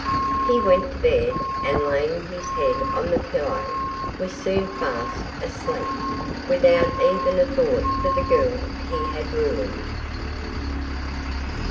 He went to bed, and laying his head on the pillow was soon fast asleep, without even a thought for the girl he had ruined.